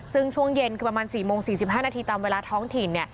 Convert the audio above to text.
ซึ่งช่วงเย็นคือประมาณ๔โมง๔๕นาทีตามเวลาท้องถิ่น